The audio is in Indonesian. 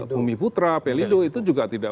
bumi putra pelindo itu juga tidak